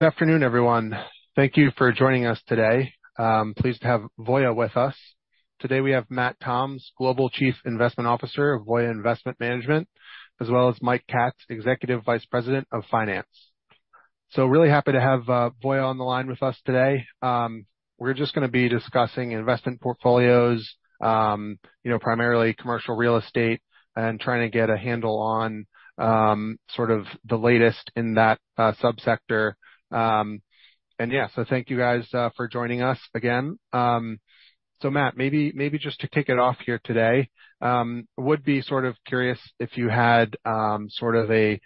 Good afternoon, everyone. Thank you for joining us today. Pleased to have Voya with us. Today, we have Matt Toms, Global Chief Investment Officer of Voya Investment Management, as well as Mike Katz, Executive Vice President of Finance. Really happy to have Voya on the line with us today. We're just going to be discussing investment portfolios, primarily commercial real estate and trying to get a handle on sort of the latest in that sub-sector. Yeah. Thank you guys for joining us again. Matt, maybe just to kick it off here today, would be sort of curious if you had sort of a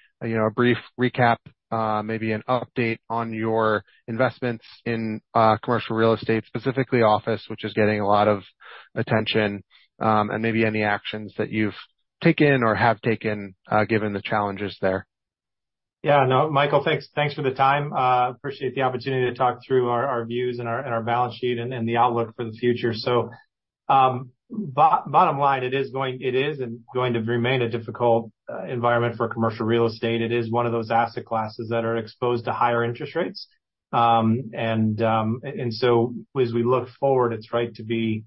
brief recap, maybe an update on your investments in commercial real estate, specifically office, which is getting a lot of attention, and maybe any actions that you've taken or have taken, given the challenges there. Yeah. No, Michael, thanks for the time. Appreciate the opportunity to talk through our views and our balance sheet and the outlook for the future. Bottom line, it is and going to remain a difficult environment for commercial real estate. It is one of those asset classes that are exposed to higher interest rates. As we look forward, it's right to be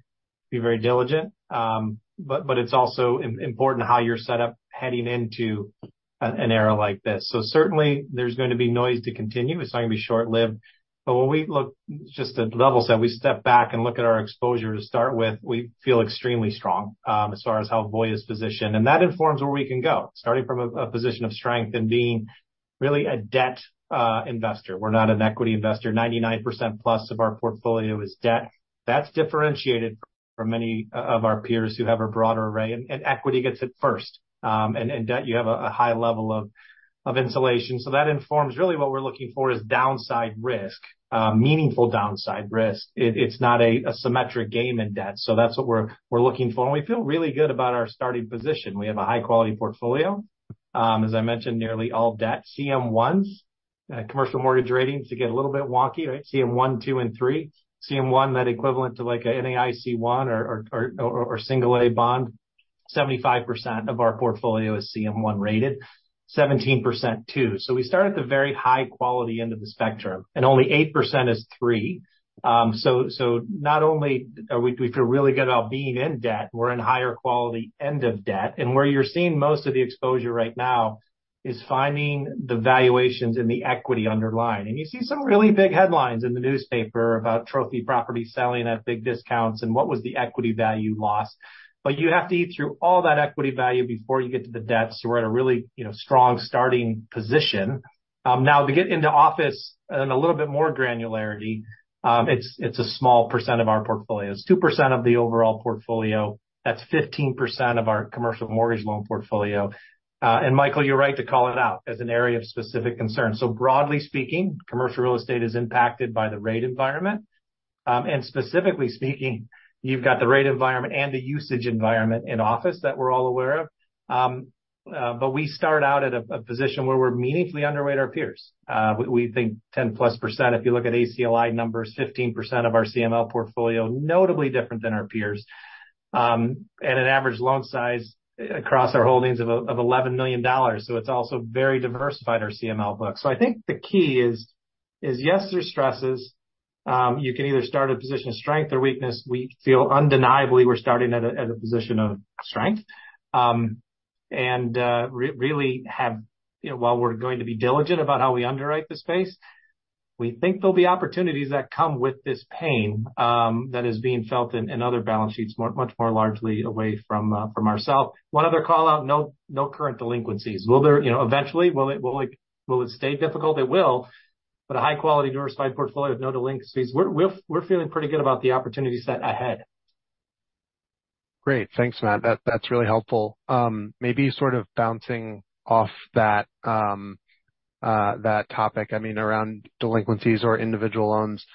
very diligent. It's also important how you're set up heading into an era like this. Certainly there's going to be noise to continue. It's not going to be short-lived. When we look just at level set, we step back and look at our exposure to start with, we feel extremely strong, as far as how Voya is positioned, and that informs where we can go, starting from a position of strength and being really a debt investor. We're not an equity investor. 99% plus of our portfolio is debt. That's differentiated from many of our peers who have a broader array. Equity gets hit first. In debt, you have a high level of insulation. That informs, really, what we're looking for is downside risk, meaningful downside risk. It's not a symmetric game in debt. That's what we're looking for. We feel really good about our starting position. We have a high-quality portfolio. As I mentioned, nearly all debt. CM1s, commercial mortgage ratings to get a little bit wonky. CM1, 2, and 3. CM1, that equivalent to like an NAIC1 or single A bond. 75% of our portfolio is CM1-rated, 17% 2. We start at the very high-quality end of the spectrum, and only 8% is 3. Not only do we feel really good about being in debt, we're in higher quality end of debt. Where you're seeing most of the exposure right now is finding the valuations in the equity underlying. You see some really big headlines in the newspaper about trophy properties selling at big discounts and what was the equity value lost. You have to eat through all that equity value before you get to the debt. We're at a really strong starting position. Now to get into office in a little bit more granularity, it's a small % of our portfolio. It's 2% of the overall portfolio. That's 15% of our commercial mortgage loan portfolio. Michael, you're right to call it out as an area of specific concern. Broadly speaking, commercial real estate is impacted by the rate environment. Specifically speaking, you've got the rate environment and the usage environment in office that we're all aware of. We start out at a position where we're meaningfully underweight our peers. We think 10-plus%, if you look at ACLI numbers, 15% of our CML portfolio, notably different than our peers, and an average loan size across our holdings of $11 million. It's also very diversified, our CML book. I think the key is, yes, there's stresses. You can either start a position of strength or weakness. We feel undeniably we're starting at a position of strength. While we're going to be diligent about how we underwrite the space, we think there'll be opportunities that come with this pain that is being felt in other balance sheets much more largely away from ourselves. One other call-out, no current delinquencies. Eventually, will it stay difficult? It will, but a high-quality, diversified portfolio of no delinquencies. We're feeling pretty good about the opportunity set ahead. Great. Thanks, Matt. That's really helpful. Maybe sort of bouncing off that topic, around delinquencies or individual loans.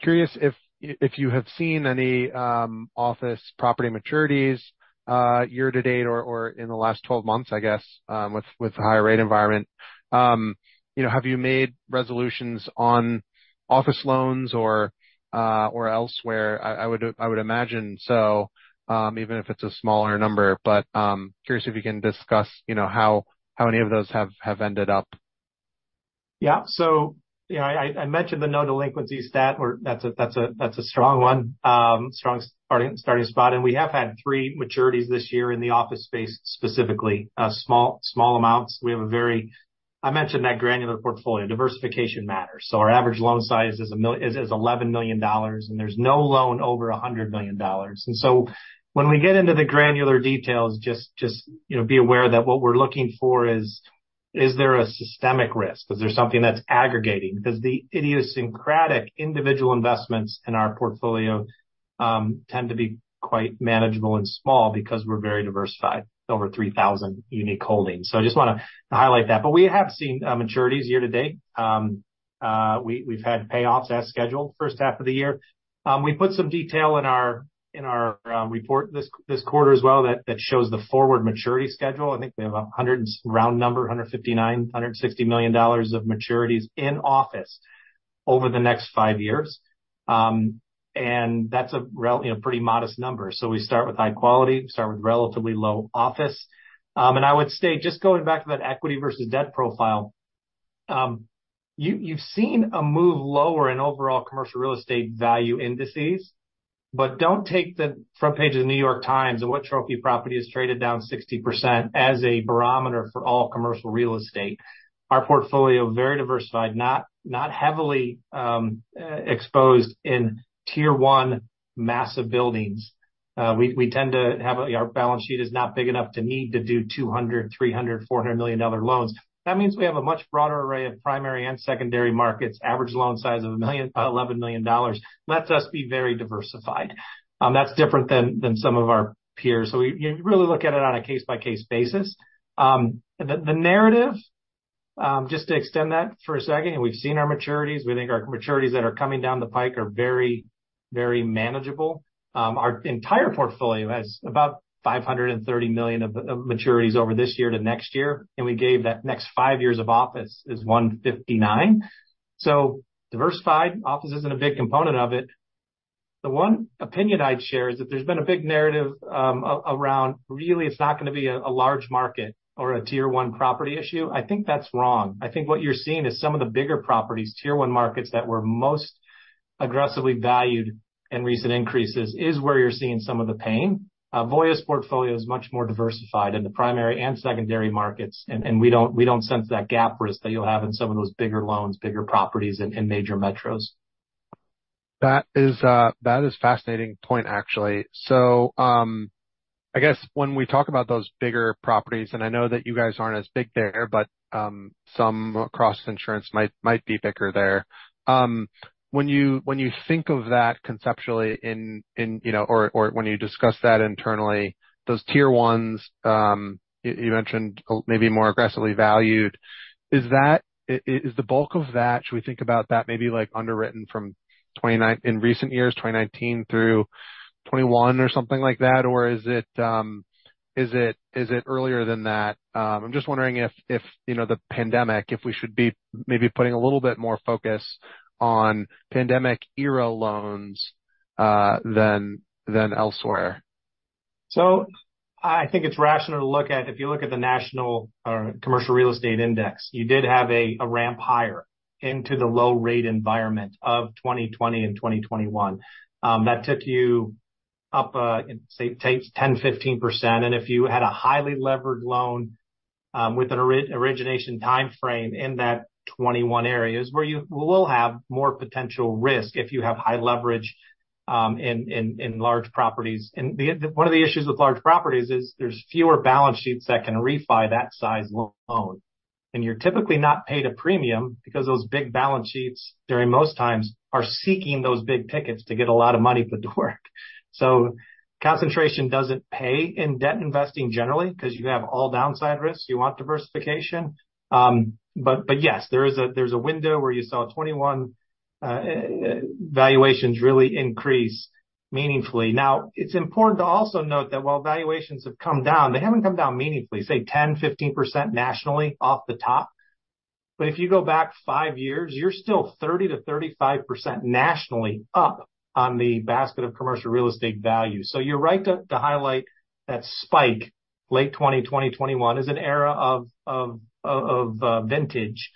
Curious if you have seen any office property maturities year-to-date or in the last 12 months, I guess, with the higher rate environment. Have you made resolutions on office loans or elsewhere? I would imagine so, even if it's a smaller number, but curious if you can discuss how many of those have ended up. I mentioned the no delinquency stat. That's a strong one. Strong starting spot. We have had three maturities this year in the office space, specifically. Small amounts. I mentioned that granular portfolio. Diversification matters. Our average loan size is $11 million, and there's no loan over $100 million. When we get into the granular details, just be aware that what we're looking for is: Is there a systemic risk? Is there something that's aggregating? The idiosyncratic individual investments in our portfolio tend to be quite manageable and small because we're very diversified, over 3,000 unique holdings. I just want to highlight that. We have seen maturities year-to-date. We've had payoffs as scheduled first half of the year. We put some detail in our report this quarter as well that shows the forward maturity schedule. I think we have a round number, $159, $160 million of maturities in office over the next five years. That's a pretty modest number. We start with high quality, start with relatively low office. I would state, just going back to that equity versus debt profile, you've seen a move lower in overall commercial real estate value indices. Don't take the front page of The New York Times and what trophy property has traded down 60% as a barometer for all commercial real estate. Our portfolio, very diversified, not heavily exposed in tier 1 massive buildings. Our balance sheet is not big enough to need to do $200, $300, $400 million loans. That means we have a much broader array of primary and secondary markets. Average loan size of $11 million lets us be very diversified. That's different than some of our peers. You really look at it on a case-by-case basis. The narrative, just to extend that for a second, we've seen our maturities. We think our maturities that are coming down the pike are very manageable. Our entire portfolio has about $530 million of maturities over this year to next year, we gave that next five years of office is $159 million. Diversified. Office isn't a big component of it. The one opinion I'd share is that there's been a big narrative around, really, it's not going to be a large market or a tier 1 property issue. I think that's wrong. I think what you're seeing is some of the bigger properties, tier 1 markets that were most aggressively valued in recent increases, is where you're seeing some of the pain. Voya's portfolio is much more diversified in the primary and secondary markets, we don't sense that gap risk that you'll have in some of those bigger loans, bigger properties in major metros. That is a fascinating point, actually. I guess when we talk about those bigger properties, I know that you guys aren't as big there, but some across insurance might be bigger there. When you think of that conceptually or when you discuss that internally, those tier 1s you mentioned may be more aggressively valued. Is the bulk of that, should we think about that maybe underwritten in recent years, 2019 through 2021 or something like that? Or is it earlier than that? I'm just wondering if the pandemic, if we should be maybe putting a little bit more focus on pandemic-era loans, than elsewhere. I think it's rational to look at, if you look at the national commercial real estate index, you did have a ramp higher into the low rate environment of 2020 and 2021. That took you up, say, 10%, 15%. If you had a highly levered loan with an origination time frame in that 2021 areas, where you will have more potential risk if you have high leverage in large properties. One of the issues with large properties is there's fewer balance sheets that can refi that size loan. You're typically not paid a premium because those big balance sheets, during most times, are seeking those big tickets to get a lot of money put to work. Concentration doesn't pay in debt investing generally, because you have all downside risks. You want diversification. But yes, there's a window where you saw 2021 valuations really increase meaningfully. It's important to also note that while valuations have come down, they haven't come down meaningfully, say, 10%, 15% nationally off the top. If you go back five years, you're still 30%-35% nationally up on the basket of commercial real estate value. You're right to highlight that spike late 2020, 2021 as an era of vintage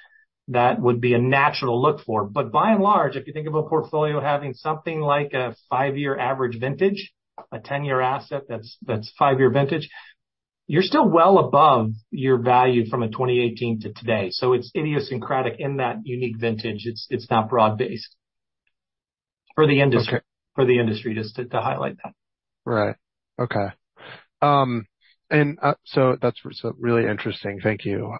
that would be a natural look for. By and large, if you think of a portfolio having something like a five-year average vintage, a 10-year asset that's five-year vintage, you're still well above your value from a 2018 to today. It's idiosyncratic in that unique vintage. It's not broad-based for the industry, just to highlight that. Right. Okay. That's really interesting. Thank you.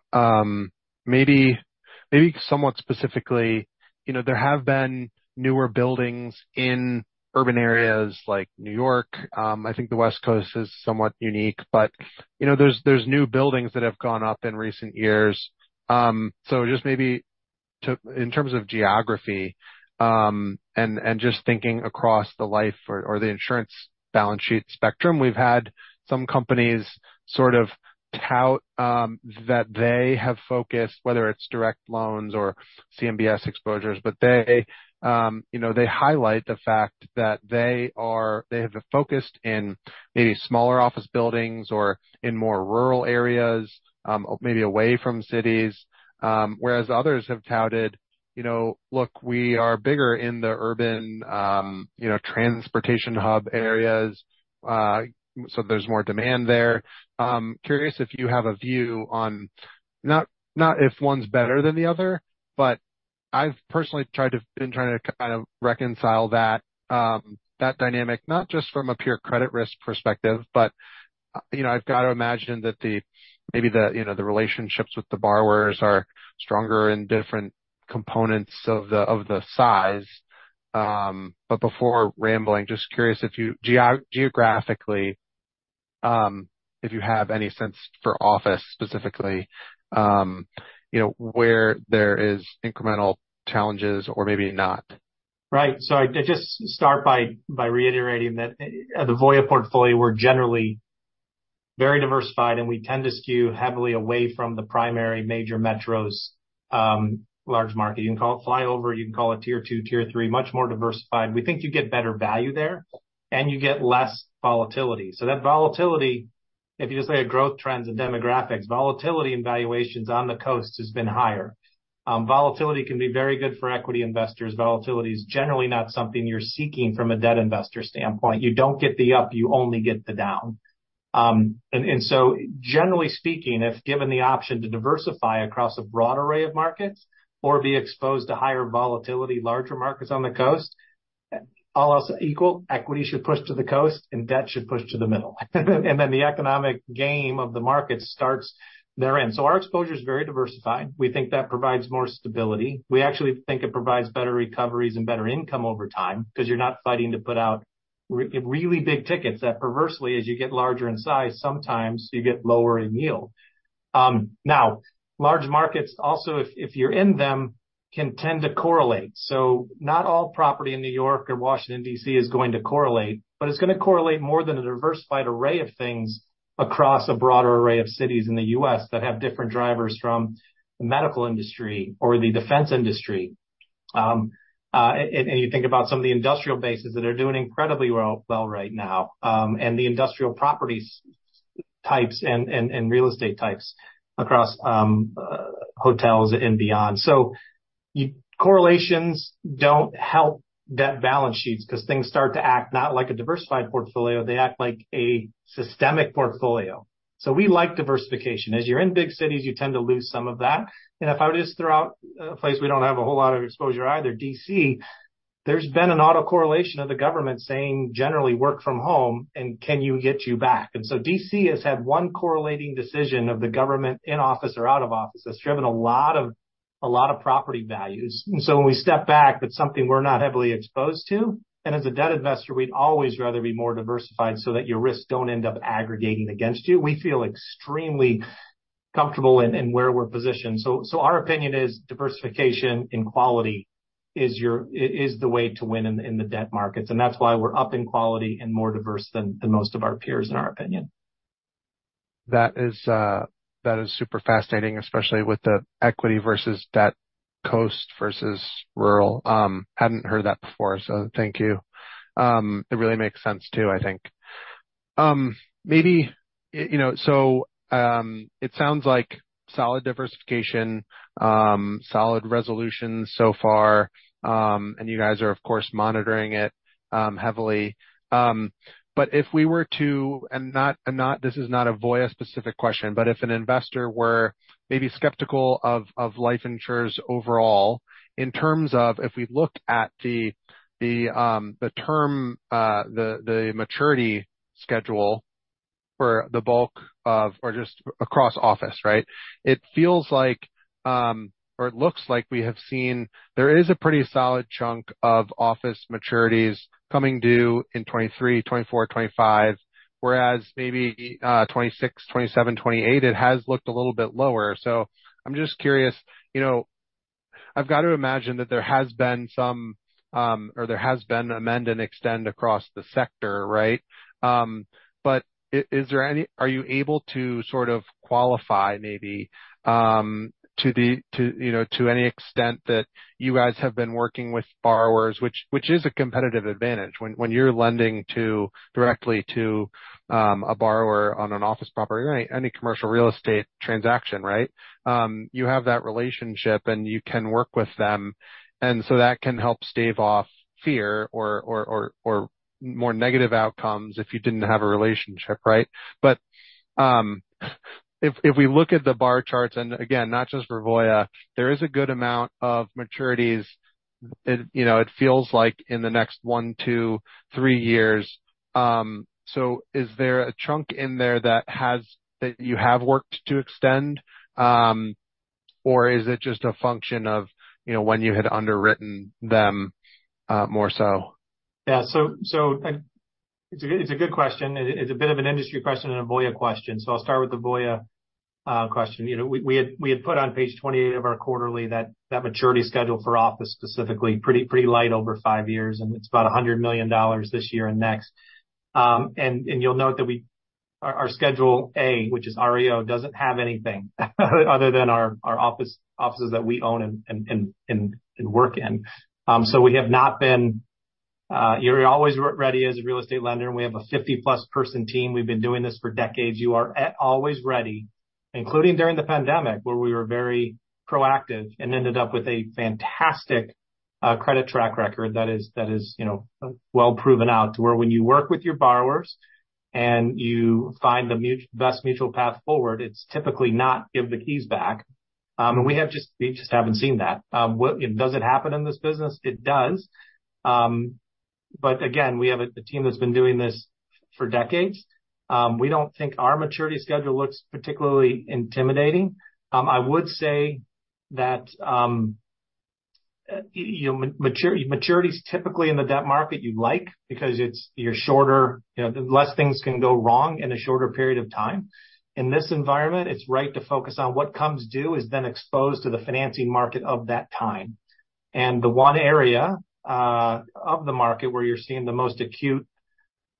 Maybe somewhat specifically, there have been newer buildings in urban areas like New York. I think the West Coast is somewhat unique. There's new buildings that have gone up in recent years. Just maybe in terms of geography, and just thinking across the life or the insurance balance sheet spectrum, we've had some companies sort of tout that they have focused, whether it's direct loans or CMBS exposures, but they highlight the fact that they have focused in maybe smaller office buildings or in more rural areas, maybe away from cities, whereas others have touted, "Look, we are bigger in the urban transportation hub areas, so there's more demand there." Curious if you have a view on, not if one's better than the other, but I've personally been trying to kind of reconcile that dynamic, not just from a pure credit risk perspective, but I've got to imagine that maybe the relationships with the borrowers are stronger in different components of the size. Before rambling, just curious if you, geographically, if you have any sense for office specifically, where there is incremental challenges or maybe not. Right. I just start by reiterating that the Voya portfolio, we're generally very diversified, and we tend to skew heavily away from the primary major metros, large market. You can call it flyover, you can call it tier 2, tier 3, much more diversified. We think you get better value there and you get less volatility. That volatility, if you just look at growth trends and demographics, volatility and valuations on the coast has been higher. Volatility can be very good for equity investors. Volatility is generally not something you're seeking from a debt investor standpoint. You don't get the up, you only get the down. Generally speaking, if given the option to diversify across a broad array of markets or be exposed to higher volatility, larger markets on the coast, all else equal, equity should push to the coast and debt should push to the middle. The economic game of the market starts therein. Our exposure is very diversified. We think that provides more stability. We actually think it provides better recoveries and better income over time because you're not fighting to put out really big tickets that perversely, as you get larger in size, sometimes you get lower in yield. Large markets also, if you're in them, can tend to correlate. Not all property in New York or Washington, D.C. is going to correlate, but it's going to correlate more than a diversified array of things across a broader array of cities in the U.S. that have different drivers from the medical industry or the defense industry. You think about some of the industrial bases that are doing incredibly well right now, and the industrial property types and real estate types across hotels and beyond. Correlations don't help debt balance sheets because things start to act not like a diversified portfolio, they act like a systemic portfolio. We like diversification. As you're in big cities, you tend to lose some of that. If I just throw out a place we don't have a whole lot of exposure either, D.C., there's been an autocorrelation of the government saying, generally work from home, and can you get you back? D.C. has had one correlating decision of the government in office or out of office that's driven a lot of property values. When we step back, that's something we're not heavily exposed to. As a debt investor, we'd always rather be more diversified so that your risks don't end up aggregating against you. We feel extremely comfortable in where we're positioned. Our opinion is diversification in quality is the way to win in the debt markets, and that's why we're upping quality and more diverse than most of our peers in our opinion. That is super fascinating, especially with the equity versus debt, coast versus rural. Hadn't heard that before, so thank you. It really makes sense too, I think. It sounds like solid diversification, solid resolution so far. You guys are, of course, monitoring it heavily. If we were to, and this is not a Voya-specific question, but if an investor were maybe skeptical of life insurers overall, in terms of if we looked at the term, the maturity schedule for the bulk of, or just across office, right? It feels like or it looks like we have seen there is a pretty solid chunk of office maturities coming due in 2023, 2024, 2025, whereas maybe 2026, 2027, 2028, it has looked a little bit lower. I'm just curious, I've got to imagine that there has been amend and extend across the sector, right? Are you able to sort of qualify maybe, to any extent that you guys have been working with borrowers, which is a competitive advantage when you're lending directly to a borrower on an office property or any commercial real estate transaction, right? You have that relationship and you can work with them, that can help stave off fear or more negative outcomes if you didn't have a relationship, right? If we look at the bar charts, and again, not just for Voya, there is a good amount of maturities, it feels like in the next one to three years. Is there a chunk in there that you have worked to extend? Or is it just a function of when you had underwritten them more so? Yeah. It's a good question. It's a bit of an industry question and a Voya question. I'll start with the Voya question. We had put on page 28 of our quarterly that maturity schedule for office specifically, pretty light over five years, and it's about $100 million this year and next. You'll note that our Schedule A, which is REO, doesn't have anything other than our offices that we own and work in. We have not been You're always ready as a real estate lender, and we have a 50-plus person team. We've been doing this for decades. You are always ready, including during the pandemic, where we were very proactive and ended up with a fantastic credit track record that is well proven out to where when you work with your borrowers and you find the best mutual path forward, it's typically not give the keys back. We just haven't seen that. Does it happen in this business? It does. Again, we have a team that's been doing this for decades. We don't think our maturity schedule looks particularly intimidating. I would say that maturities typically in the debt market you like because you're shorter, less things can go wrong in a shorter period of time. In this environment, it's right to focus on what comes due is then exposed to the financing market of that time. The one area of the market where you're seeing the most acute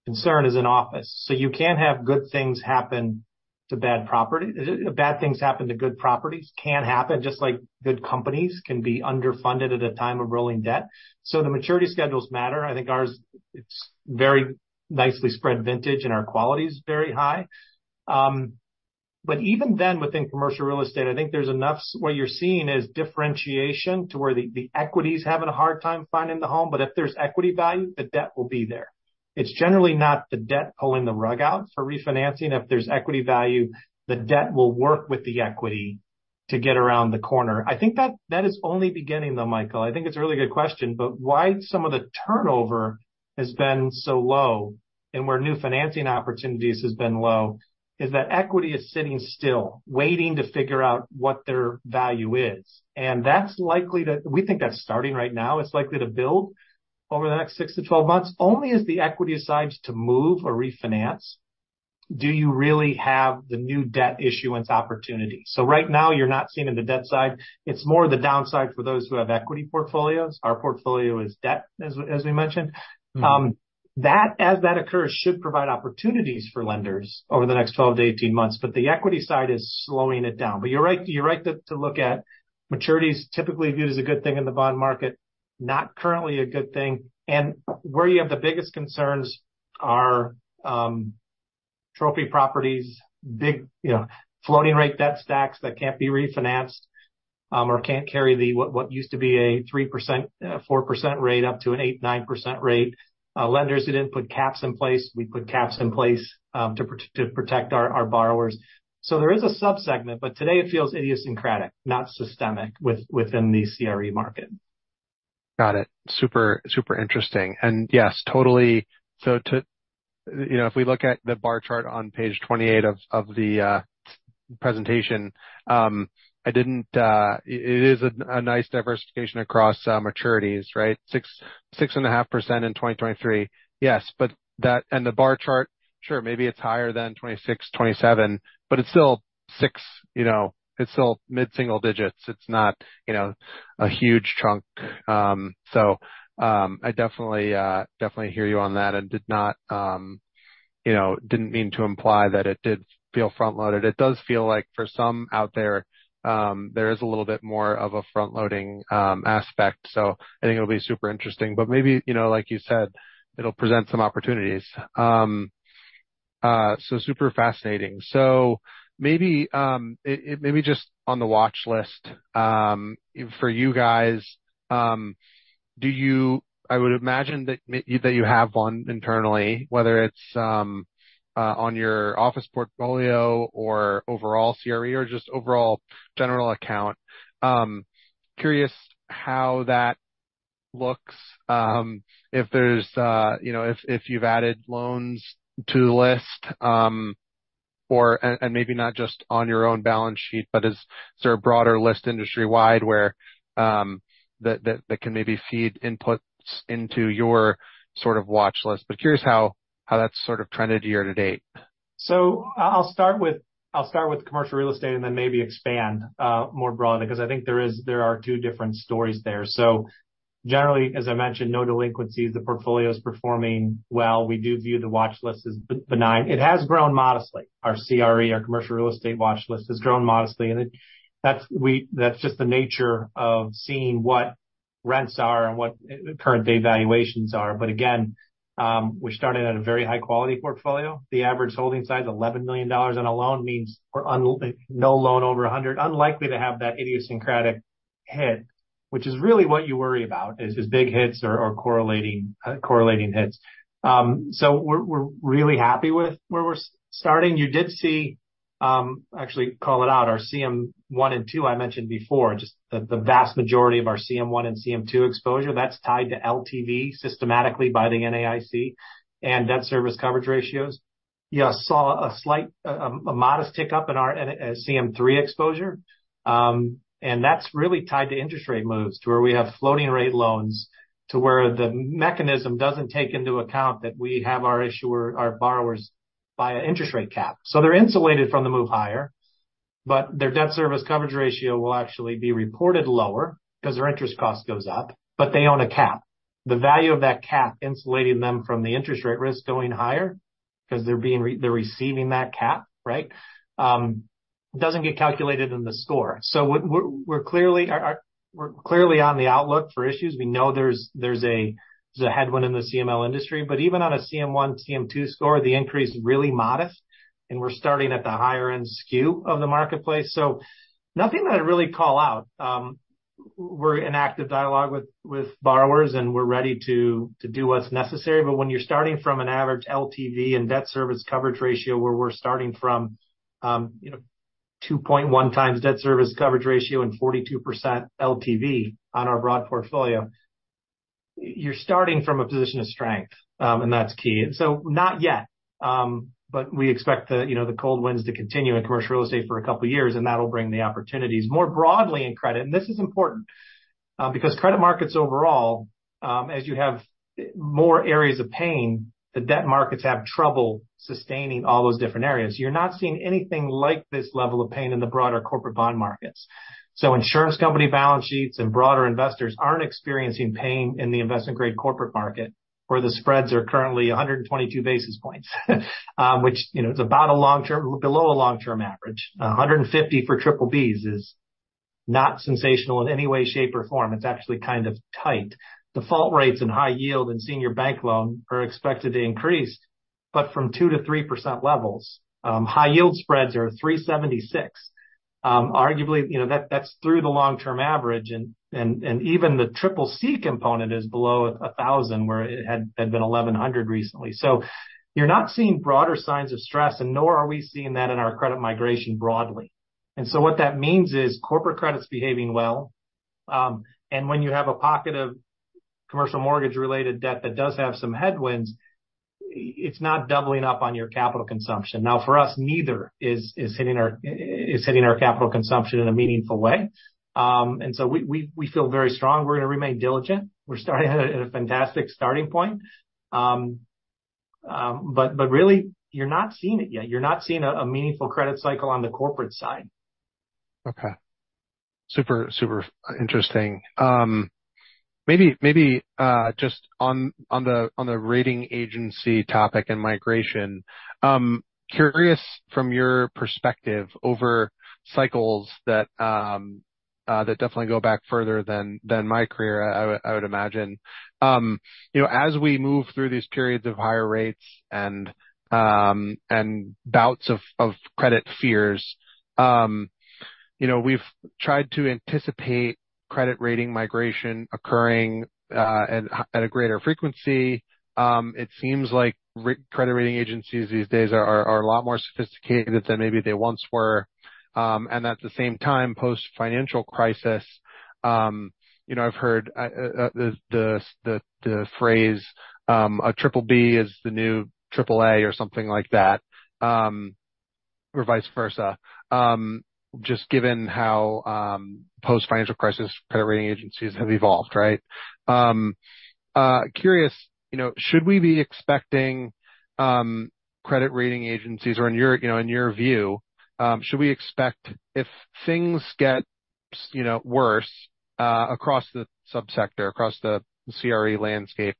concern is in office. You can't have good things happen to bad property. Bad things happen to good properties, can happen, just like good companies can be underfunded at a time of rolling debt. The maturity schedules matter. I think ours, it's very nicely spread vintage, and our quality is very high. Even then, within commercial real estate, I think there's enough what you're seeing is differentiation to where the equity's having a hard time finding the home, but if there's equity value, the debt will be there. It's generally not the debt pulling the rug out for refinancing. If there's equity value, the debt will work with the equity to get around the corner. I think that is only beginning, though, Michael. I think it's a really good question, but why some of the turnover has been so low and where new financing opportunities has been low, is that equity is sitting still, waiting to figure out what their value is. We think that's starting right now. It's likely to build over the next 6 to 12 months. Only as the equity decides to move or refinance, do you really have the new debt issuance opportunity. Right now, you're not seeing it in the debt side. It's more the downside for those who have equity portfolios. Our portfolio is debt, as we mentioned. As that occurs, should provide opportunities for lenders over the next 12 to 18 months, but the equity side is slowing it down. You're right to look at maturities, typically viewed as a good thing in the bond market, not currently a good thing. Where you have the biggest concerns are trophy properties, big floating rate debt stacks that can't be refinanced, or can't carry what used to be a 3%, 4% rate up to an 8%, 9% rate. Lenders who didn't put caps in place. We put caps in place to protect our borrowers. There is a sub-segment, but today it feels idiosyncratic, not systemic within the CRE market. Got it. Super interesting. Yes, totally. If we look at the bar chart on page 28 of the presentation, it is a nice diversification across maturities, right? 6.5% in 2023. The bar chart, sure, maybe it's higher than 2026, 2027, but it's still six. It's still mid-single digits. It's not a huge chunk. I definitely hear you on that and didn't mean to imply that it did feel front-loaded. It does feel like for some out there is a little bit more of a front-loading aspect. I think it'll be super interesting, but maybe, like you said, it'll present some opportunities. Super fascinating. Maybe just on the watch list, for you guys, I would imagine that you have one internally, whether it's on your office portfolio or overall CRE or just overall general account. Curious how that looks. If you've added loans to the list, maybe not just on your own balance sheet, but is there a broader list industry-wide where that can maybe feed inputs into your watchlist? Curious how that's trended year-to-date. I'll start with commercial real estate then maybe expand more broadly, because I think there are two different stories there. Generally, as I mentioned, no delinquencies. The portfolio is performing well. We do view the watchlist as benign. It has grown modestly. Our CRE, our commercial real estate watchlist, has grown modestly, and that's just the nature of seeing what rents are and what current-day valuations are. But again, we started at a very high-quality portfolio. The average holding size, $11 million on a loan means no loan over 100. Unlikely to have that idiosyncratic hit, which is really what you worry about is big hits or correlating hits. We're really happy with where we're starting. You did see, actually call it out, our CM1 and 2 I mentioned before. Just the vast majority of our CM1 and CM2 exposure, that's tied to LTV systematically by the NAIC and debt service coverage ratios. You saw a modest tick up in our CM3 exposure. That's really tied to interest rate moves to where we have floating rate loans to where the mechanism doesn't take into account that we have our issuer, our borrowers buy an interest rate cap. They're insulated from the move higher, but their debt service coverage ratio will actually be reported lower because their interest cost goes up. They own a cap. The value of that cap insulating them from the interest rate risk going higher because they're receiving that cap, right? It doesn't get calculated in the score. We're clearly on the outlook for issues. We know there's a headwind in the CML industry. Even on a CM1, CM2 score, the increase is really modest, we're starting at the higher-end SKU of the marketplace. Nothing that I'd really call out. We're in active dialogue with borrowers, we're ready to do what's necessary. When you're starting from an average LTV and debt service coverage ratio where we're starting from 2.1 times debt service coverage ratio and 42% LTV on our broad portfolio, you're starting from a position of strength, and that's key. Not yet, we expect the cold winds to continue in commercial real estate for a couple of years, that'll bring the opportunities more broadly in credit. This is important, because credit markets overall As you have more areas of pain, the debt markets have trouble sustaining all those different areas. You're not seeing anything like this level of pain in the broader corporate bond markets. Insurance company balance sheets and broader investors aren't experiencing pain in the investment-grade corporate market, where the spreads are currently 122 basis points which is below a long-term average. 150 for triple Bs is not sensational in any way, shape, or form. It's actually kind of tight. Default rates in high yield and senior bank loan are expected to increase, from 2% to 3% levels. High yield spreads are 376. Arguably, that's through the long-term average even the triple C component is below 1,000, where it had been 1,100 recently. You're not seeing broader signs of stress, nor are we seeing that in our credit migration broadly. What that means is corporate credit's behaving well, when you have a pocket of commercial mortgage-related debt that does have some headwinds, it's not doubling up on your capital consumption. Now, for us, neither is hitting our capital consumption in a meaningful way. We feel very strong. We're going to remain diligent. We're starting at a fantastic starting point. Really, you're not seeing it yet. You're not seeing a meaningful credit cycle on the corporate side. Okay. Super interesting. Maybe just on the rating agency topic and migration, curious from your perspective over cycles that definitely go back further than my career, I would imagine. As we move through these periods of higher rates and bouts of credit fears, we've tried to anticipate credit rating migration occurring at a greater frequency. It seems like credit rating agencies these days are a lot more sophisticated than maybe they once were. At the same time, post-financial crisis, I've heard the phrase a triple B is the new triple A or something like that, or vice versa, just given how post-financial crisis credit rating agencies have evolved, right? Curious, should we be expecting credit rating agencies, or in your view, should we expect if things get worse across the sub-sector, across the CRE landscape,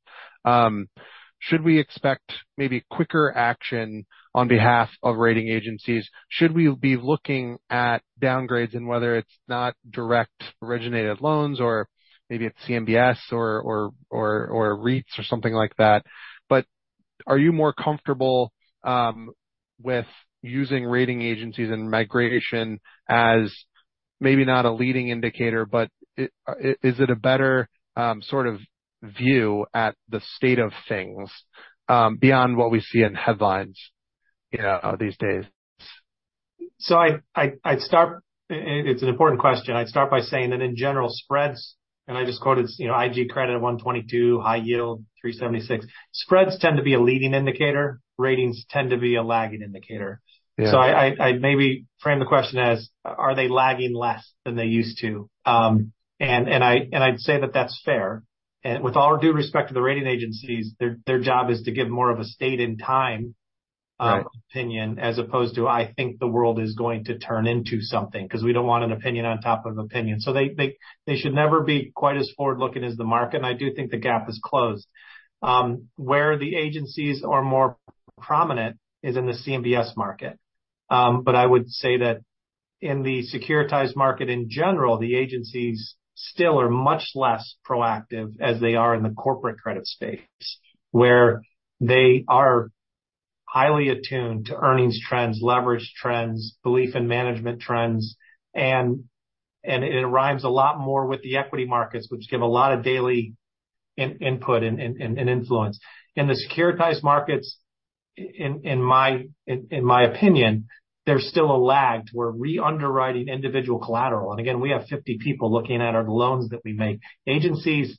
should we expect maybe quicker action on behalf of rating agencies? Should we be looking at downgrades and whether it's not direct originated loans, or maybe it's CMBS or REITs or something like that. Are you more comfortable with using rating agencies and migration as maybe not a leading indicator, but is it a better sort of view at the state of things beyond what we see in headlines these days? It's an important question. I'd start by saying that in general, spreads, and I just quoted IG credit of 122, high yield 376. Spreads tend to be a leading indicator. Ratings tend to be a lagging indicator. Yeah. I'd maybe frame the question as, are they lagging less than they used to? I'd say that that's fair. With all due respect to the rating agencies, their job is to give more of a state in time- Right opinion as opposed to, I think the world is going to turn into something, because we don't want an opinion on top of opinion. They should never be quite as forward-looking as the market, I do think the gap is closed. Where the agencies are more prominent is in the CMBS market. I would say that in the securitized market in general, the agencies still are much less proactive as they are in the corporate credit space, where they are highly attuned to earnings trends, leverage trends, belief in management trends, it rhymes a lot more with the equity markets, which give a lot of daily input and influence. In the securitized markets, in my opinion, there's still a lag to where re-underwriting individual collateral. Again, we have 50 people looking at our loans that we make. Agencies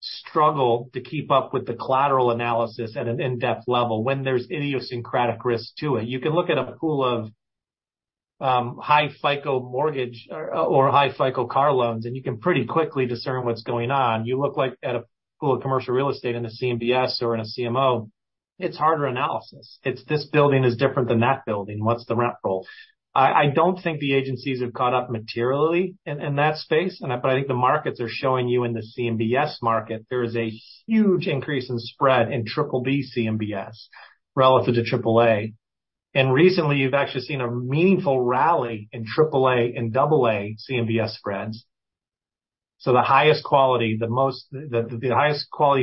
struggle to keep up with the collateral analysis at an in-depth level when there's idiosyncratic risk to it. You can look at a pool of high FICO mortgage or high FICO car loans, and you can pretty quickly discern what's going on. You look at a pool of commercial real estate in a CMBS or in a CMO, it's harder analysis. It's this building is different than that building. What's the rent roll? I don't think the agencies have caught up materially in that space, but I think the markets are showing you in the CMBS market, there is a huge increase in spread in triple B CMBS relative to triple A. Recently, you've actually seen a meaningful rally in triple A and double A CMBS spreads. The highest quality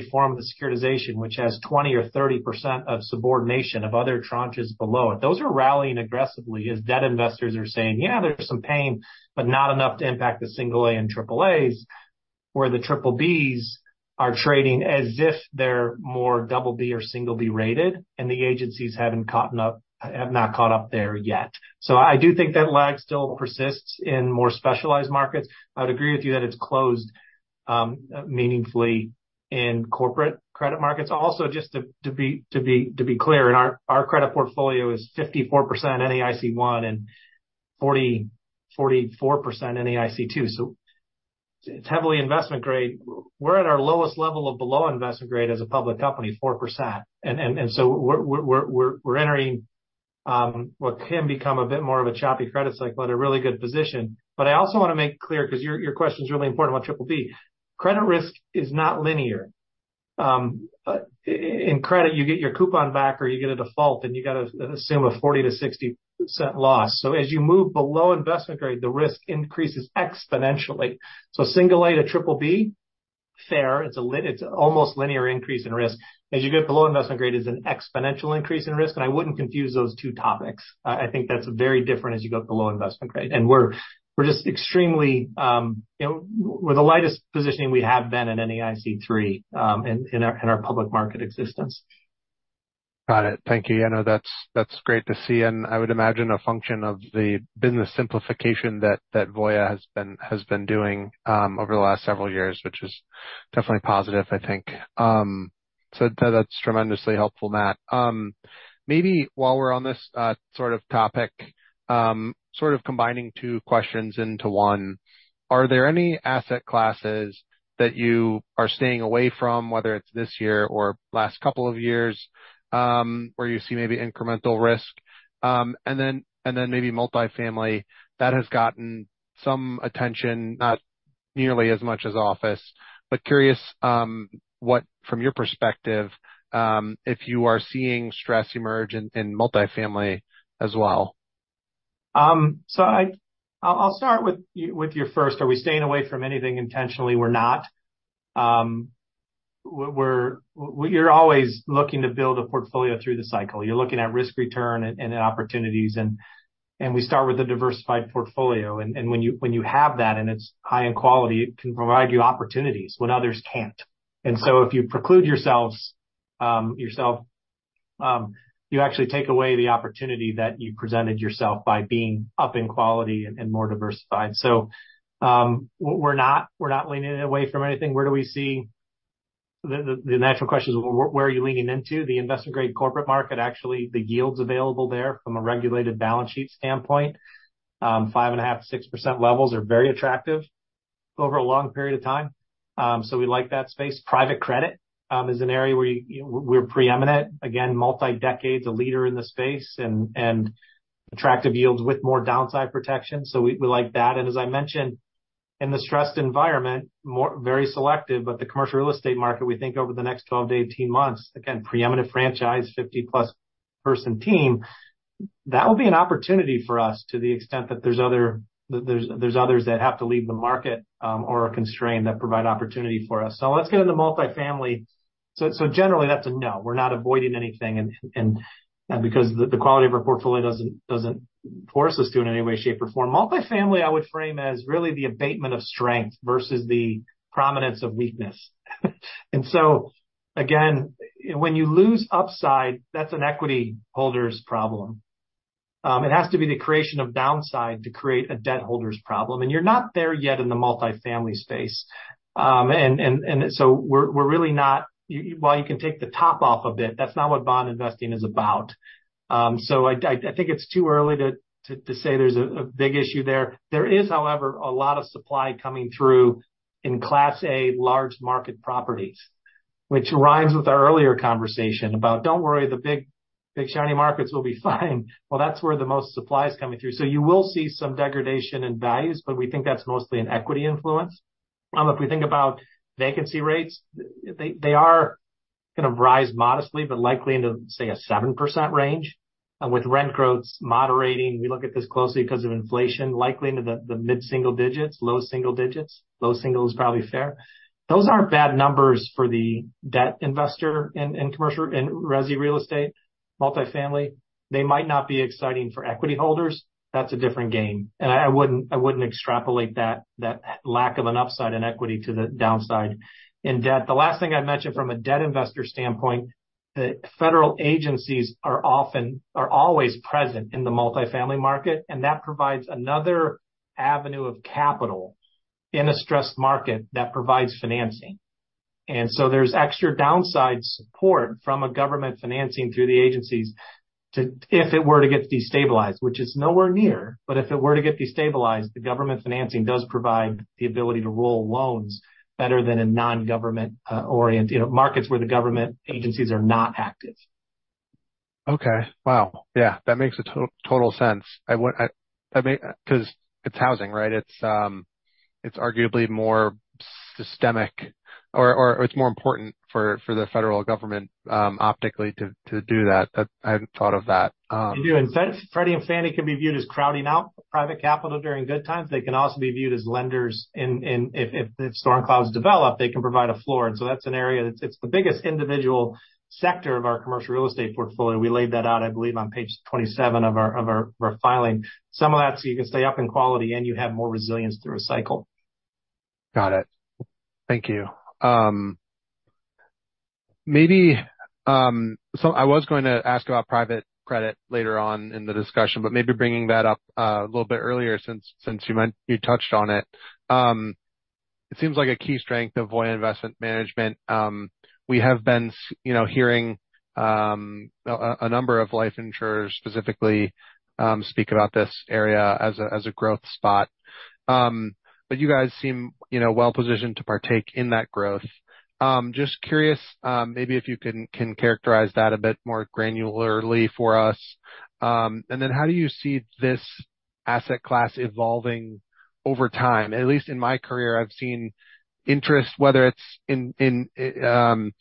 form of the securitization, which has 20% or 30% of subordination of other tranches below it, those are rallying aggressively as debt investors are saying, "Yeah, there's some pain, but not enough to impact the single A and triple As, where the triple Bs are trading as if they're more double B or single B rated." The agencies have not caught up there yet. I do think that lag still persists in more specialized markets. I would agree with you that it's closed meaningfully in corporate credit markets. Also, just to be clear, our credit portfolio is 54% NAIC 1 and 44% NAIC 2. It's heavily investment grade. We're at our lowest level of below investment grade as a public company, 4%. We're entering what can become a bit more of a choppy credit cycle at a really good position. I also want to make clear, because your question's really important about triple B, credit risk is not linear. In credit, you get your coupon back or you get a default and you got to assume a 40%-60% loss. As you move below investment grade, the risk increases exponentially. Single A to triple B, fair, it's an almost linear increase in risk. As you get below investment grade is an exponential increase in risk. I wouldn't confuse those two topics. I think that's very different as you go below investment grade. We're the lightest positioning we have been in NAIC 3 in our public market existence. Got it. Thank you. Yeah, no, that's great to see and I would imagine a function of the business simplification that Voya has been doing over the last several years, which is definitely positive, I think. That's tremendously helpful, Matt. Maybe while we're on this sort of topic, sort of combining two questions into one, are there any asset classes that you are staying away from, whether it's this year or last couple of years, where you see maybe incremental risk? Then maybe multifamily, that has gotten some attention, not nearly as much as office, but curious what, from your perspective, if you are seeing stress emerge in multifamily as well. I'll start with your first. Are we staying away from anything intentionally? We're not. You're always looking to build a portfolio through the cycle. You're looking at risk return and at opportunities. We start with a diversified portfolio. When you have that and it's high in quality, it can provide you opportunities when others can't. If you preclude yourself, you actually take away the opportunity that you presented yourself by being up in quality and more diversified. We're not leaning away from anything. The natural question is, where are you leaning into? The investment-grade corporate market, actually, the yields available there from a regulated balance sheet standpoint, 5.5%-6% levels are very attractive over a long period of time. We like that space. Private credit is an area where we're preeminent. Again, multi-decades, a leader in the space and attractive yields with more downside protection. We like that. As I mentioned, in the stressed environment, very selective, but the commercial real estate market, we think over the next 12 to 18 months, again, preeminent franchise, 50-plus person team. That will be an opportunity for us to the extent that there's others that have to leave the market or are constrained that provide opportunity for us. Let's get into multifamily. Generally, that's a no. We're not avoiding anything because the quality of our portfolio doesn't force us to in any way, shape, or form. Multifamily, I would frame as really the abatement of strength versus the prominence of weakness. Again, when you lose upside, that's an equity holder's problem. It has to be the creation of downside to create a debt holder's problem. You're not there yet in the multifamily space. While you can take the top off a bit, that's not what bond investing is about. I think it's too early to say there's a big issue there. There is, however, a lot of supply coming through in Class A large market properties, which rhymes with our earlier conversation about, don't worry, the big shiny markets will be fine. Well, that's where the most supply is coming through. You will see some degradation in values, but we think that's mostly an equity influence. If we think about vacancy rates, they are going to rise modestly, but likely into, say, a 7% range. With rent growth moderating, we look at this closely because of inflation, likely into the mid-single digits, low single digits. Low single is probably fair. Those aren't bad numbers for the debt investor in commercial and resi real estate, multifamily. They might not be exciting for equity holders. That's a different game. I wouldn't extrapolate that lack of an upside in equity to the downside in debt. The last thing I'd mention from a debt investor standpoint, the federal agencies are always present in the multifamily market, and that provides another avenue of capital in a stressed market that provides financing. There's extra downside support from a government financing through the agencies if it were to get destabilized, which is nowhere near. If it were to get destabilized, the government financing does provide the ability to roll loans better than a non-government markets where the government agencies are not active. Okay. Wow. Yeah, that makes total sense because it's housing, right? It's arguably more systemic or it's more important for the federal government optically to do that. I hadn't thought of that. They do. Freddie and Fannie can be viewed as crowding out private capital during good times. They can also be viewed as lenders if storm clouds develop, they can provide a floor. That's an area that's the biggest individual sector of our commercial real estate portfolio. We laid that out, I believe, on page 27 of our filing. Some of that so you can stay up in quality and you have more resilience through a cycle. Got it. Thank you. I was going to ask about private credit later on in the discussion, but maybe bringing that up a little bit earlier since you touched on it. It seems like a key strength of Voya Investment Management. We have been hearing a number of life insurers specifically speak about this area as a growth spot. You guys seem well-positioned to partake in that growth. Just curious, maybe if you can characterize that a bit more granularly for us. How do you see this asset class evolving over time? At least in my career, I've seen interest, whether it's on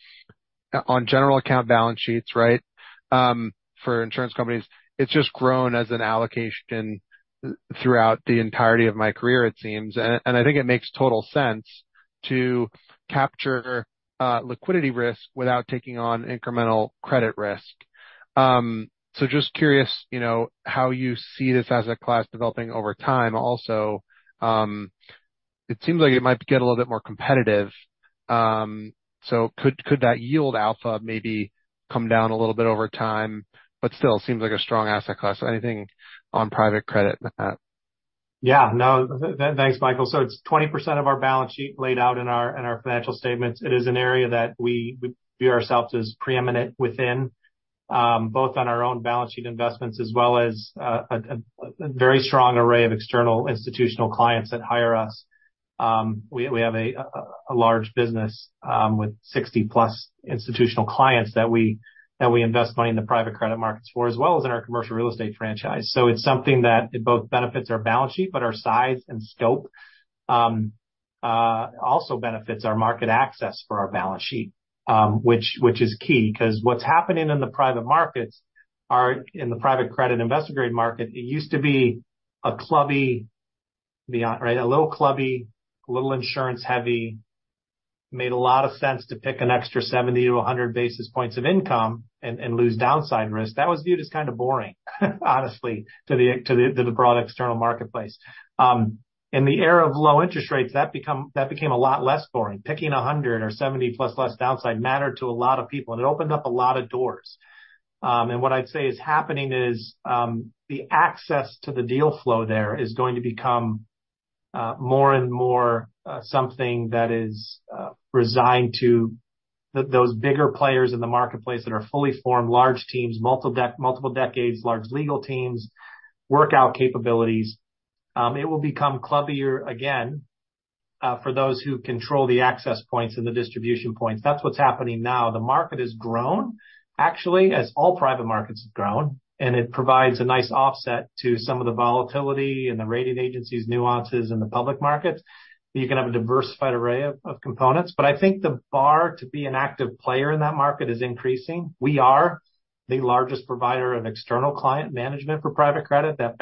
general account balance sheets, right, for insurance companies. It's just grown as an allocation throughout the entirety of my career, it seems. I think it makes total sense to capture liquidity risk without taking on incremental credit risk. Just curious, how you see this asset class developing over time. Also, it seems like it might get a little bit more competitive. Could that yield alpha maybe come down a little bit over time, but still seems like a strong asset class. Anything on private credit and with that? Yeah. No, thanks, Michael. It's 20% of our balance sheet laid out in our financial statements. It is an area that we view ourselves as preeminent within, both on our own balance sheet investments as well as a very strong array of external institutional clients that hire us. We have a large business with 60-plus institutional clients that we invest money in the private credit markets for, as well as in our commercial real estate franchise. It's something that it both benefits our balance sheet, but our size and scope also benefits our market access for our balance sheet, which is key because what's happening in the private markets are in the private credit investment grade market. It used to be a little clubby, a little insurance heavy, made a lot of sense to pick an extra 70 to 100 basis points of income and lose downside risk. That was viewed as kind of boring, honestly, to the broad external marketplace. In the era of low interest rates, that became a lot less boring. Picking 100 or 70-plus less downside mattered to a lot of people, and it opened up a lot of doors. And what I'd say is happening is, the access to the deal flow there is going to become more and more something that is resigned to those bigger players in the marketplace that are fully formed, large teams, multiple decades, large legal teams, workout capabilities. It will become clubbier again for those who control the access points and the distribution points. That's what's happening now. The market has grown, actually, as all private markets have grown, and it provides a nice offset to some of the volatility and the rating agencies' nuances in the public markets, that you can have a diversified array of components. But I think the bar to be an active player in that market is increasing. We are the largest provider of external client management for private credit. That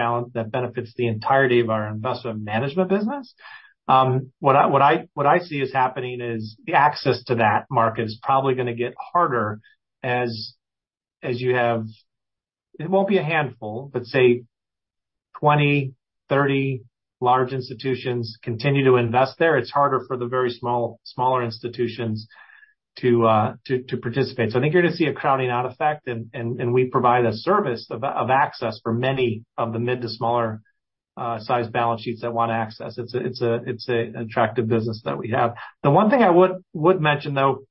benefits the entirety of our Voya Investment Management business. What I see is happening is the access to that market is probably going to get harder. It won't be a handful, but say, 20, 30 large institutions continue to invest there. It's harder for the very smaller institutions to participate. I think you're going to see a crowding out effect, and we provide a service of access for many of the mid to smaller size balance sheets that want access. It's an attractive business that we have. The one thing I would mention, though,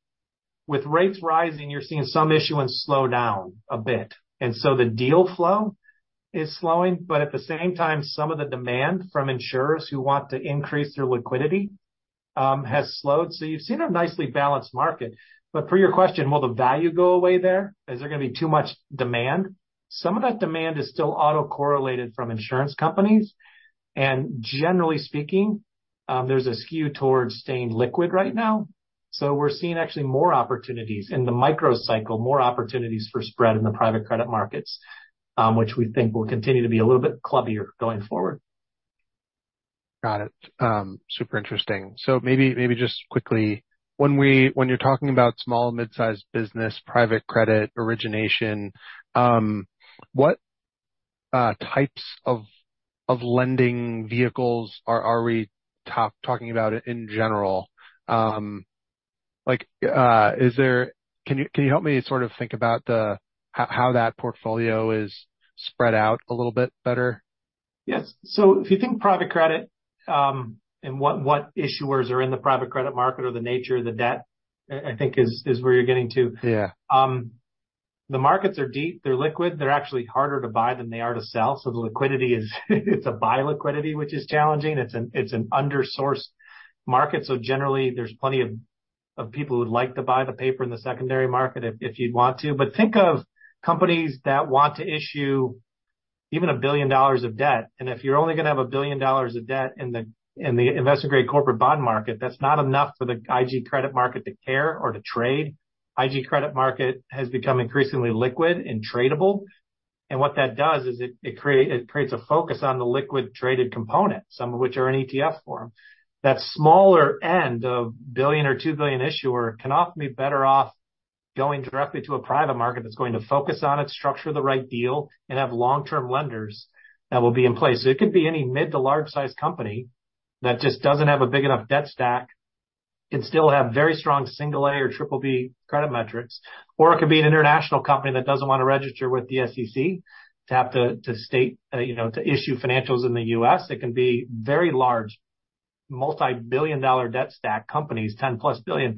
with rates rising, you're seeing some issuance slow down a bit, and the deal flow is slowing. But at the same time, some of the demand from insurers who want to increase their liquidity, has slowed. So you've seen a nicely balanced market. For your question, will the value go away there? Is there going to be too much demand? Some of that demand is still autocorrelated from insurance companies. And generally speaking, there's a skew towards staying liquid right now. We're seeing actually more opportunities in the microcycle, more opportunities for spread in the private credit markets, which we think will continue to be a little bit clubbier going forward. Got it. Super interesting. Maybe just quickly, when you're talking about small- and mid-sized business, private credit origination, what types of lending vehicles are we talking about in general? Can you help me sort of think about how that portfolio is spread out a little bit better? Yes. If you think private credit, and what issuers are in the private credit market or the nature of the debt, I think is where you're getting to. Yeah. The markets are deep, they're liquid, they're actually harder to buy than they are to sell. The liquidity is it's a buy liquidity, which is challenging. It's an undersourced market. Generally, there's plenty of people who'd like to buy the paper in the secondary market if you'd want to. Think of companies that want to issue even $1 billion of debt, and if you're only going to have $1 billion of debt in the investor-grade corporate bond market, that's not enough for the IG credit market to care or to trade. IG credit market has become increasingly liquid and tradable, and what that does is it creates a focus on the liquid traded component, some of which are in ETF form. That smaller end of $1 billion or $2 billion issuer can often be better off going directly to a private market that's going to focus on it, structure the right deal, and have long-term lenders that will be in place. It could be any mid to large-sized company that just doesn't have a big enough debt stack. Can still have very strong single A or triple B credit metrics, or it could be an international company that doesn't want to register with the SEC to have to state to issue financials in the U.S. It can be very large, multi-billion-dollar debt stack companies, $10+ billion,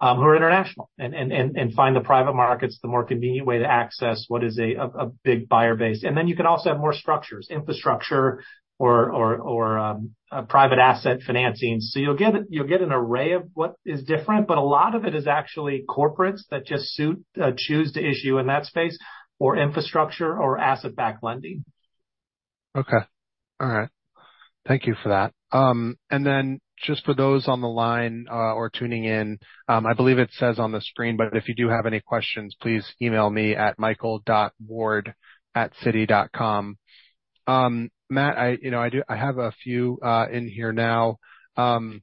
who are international and find the private markets the more convenient way to access what is a big buyer base. You can also have more structures, infrastructure or private asset financing. You'll get an array of what is different, but a lot of it is actually corporates that just choose to issue in that space or infrastructure or asset-backed lending. Okay. All right. Thank you for that. Just for those on the line, or tuning in, I believe it says on the screen, but if you do have any questions, please email me at michael.ward@citi.com. Matt, I have a few in here now. Some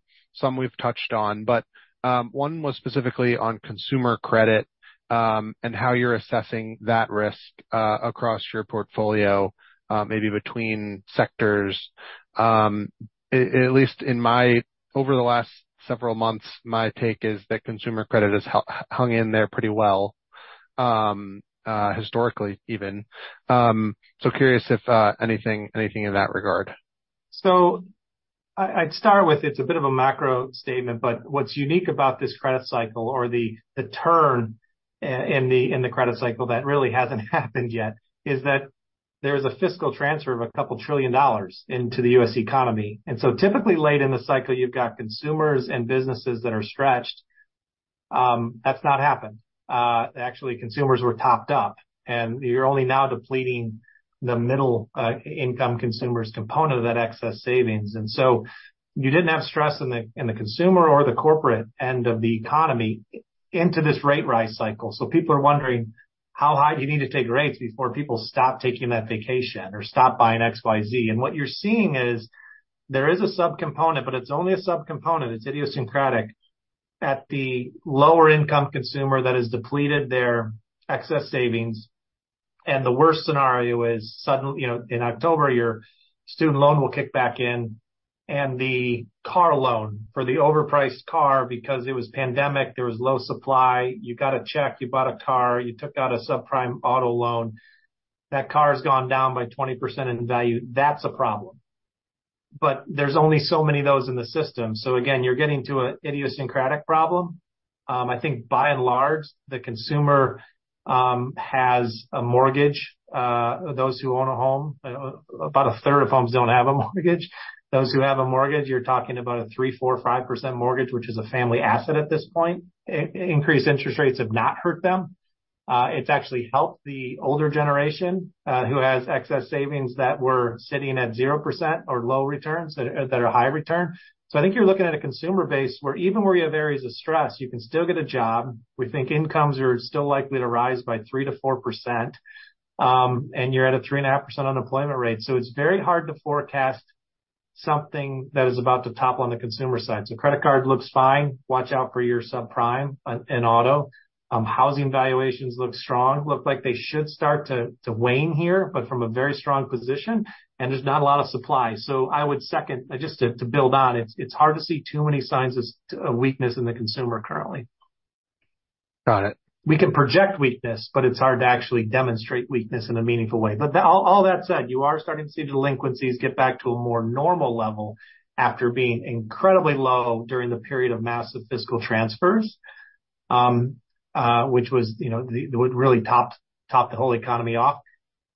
we've touched on, but one was specifically on consumer credit, and how you're assessing that risk, across your portfolio, maybe between sectors. At least over the last several months, my take is that consumer credit has hung in there pretty well, historically even. Curious if anything in that regard. I'd start with, it's a bit of a macro statement, but what's unique about this credit cycle or the turn in the credit cycle that really hasn't happened yet, is that there's a fiscal transfer of a couple trillion dollars into the U.S. economy. Typically late in the cycle, you've got consumers and businesses that are stretched. That's not happened. Actually, consumers were topped up, and you're only now depleting the middle income consumers component of that excess savings. You didn't have stress in the consumer or the corporate end of the economy into this rate rise cycle. People are wondering how high do you need to take rates before people stop taking that vacation or stop buying XYZ. What you're seeing is there is a sub-component, it's only a sub-component, it's idiosyncratic, at the lower income consumer that has depleted their excess savings. The worst scenario is suddenly, in October, your student loan will kick back in and the car loan for the overpriced car because it was pandemic, there was low supply. You got a check, you bought a car, you took out a subprime auto loan. That car's gone down by 20% in value. That's a problem. There's only so many of those in the system. Again, you're getting to an idiosyncratic problem. I think by and large, the consumer has a mortgage, those who own a home. About a third of homes don't have a mortgage. Those who have a mortgage, you're talking about a 3%, 4%, 5% mortgage, which is a family asset at this point. Increased interest rates have not hurt them. It's actually helped the older generation, who has excess savings that were sitting at 0% or low returns that are high return. I think you're looking at a consumer base where even where you have areas of stress, you can still get a job. We think incomes are still likely to rise by 3%-4%, and you're at a 3.5% unemployment rate. It's very hard to forecast something that is about to topple on the consumer side. Credit card looks fine. Watch out for your subprime in auto. Housing valuations look strong. Look like they should start to wane here, but from a very strong position, and there's not a lot of supply. I would second, just to build on it's hard to see too many signs of weakness in the consumer currently. Got it. We can project weakness, it's hard to actually demonstrate weakness in a meaningful way. All that said, you are starting to see delinquencies get back to a more normal level after being incredibly low during the period of massive fiscal transfers, which really topped the whole economy off.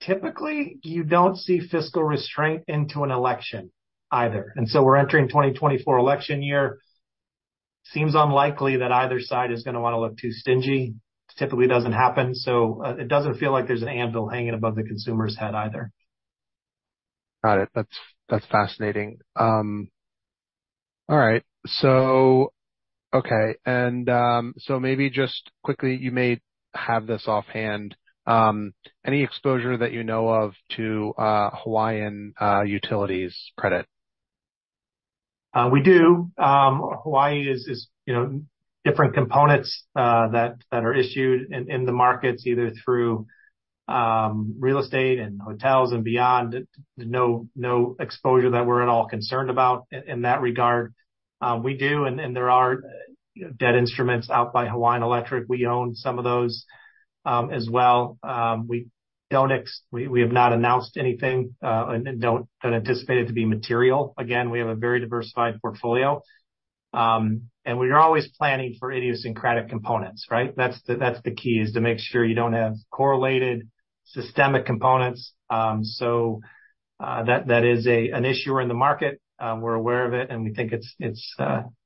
Typically, you don't see fiscal restraint into an election either. We're entering 2024 election year. Seems unlikely that either side is going to want to look too stingy. Typically doesn't happen. It doesn't feel like there's an anvil hanging above the consumer's head either. Got it. That's fascinating. Okay. Maybe just quickly, you may have this offhand. Any exposure that you know of to Hawaiian Utilities credit? We do. Hawaii is different components, that are issued in the markets, either through real estate and hotels and beyond. No exposure that we're at all concerned about in that regard. We do, and there are debt instruments out by Hawaiian Electric. We own some of those as well. We have not announced anything, and don't anticipate it to be material. Again, we have a very diversified portfolio. We are always planning for idiosyncratic components, right? That's the key, is to make sure you don't have correlated systemic components. That is an issuer in the market. We're aware of it, and we think it's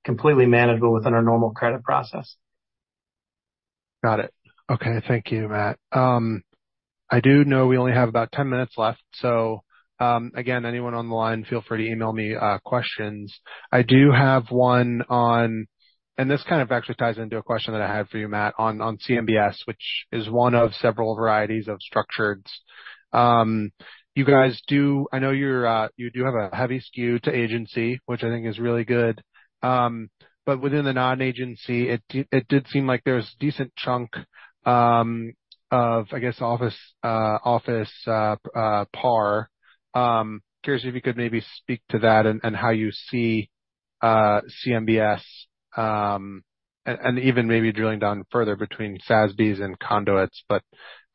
completely manageable within our normal credit process. Got it. Okay. Thank you, Matt. I do know we only have about 10 minutes left. Again, anyone on the line, feel free to email me questions. I do have one on. This kind of actually ties into a question that I have for you, Matt, on CMBS, which is one of several varieties of structured. I know you do have a heavy skew to agency, which I think is really good. Within the non-agency, it did seem like there was a decent chunk of, I guess, office par. Curious if you could maybe speak to that and how you see CMBS, and even maybe drilling down further between SASBs and conduits, but